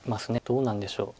どうなんでしょう。